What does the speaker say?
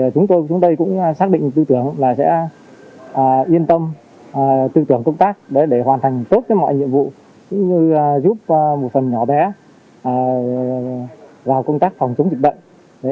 chúng tôi cũng xác định tư tưởng là sẽ yên tâm tư tưởng công tác để hoàn thành tốt mọi nhiệm vụ cũng như giúp một phần nhỏ bé vào công tác phòng chống dịch bệnh